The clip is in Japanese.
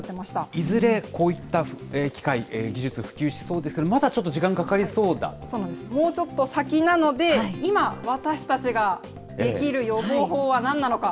いずれこういった機械、技術、普及しそうですけれども、まだちそうなんです、もうちょっと先なので、今、私たちができる予防法はなんなのか。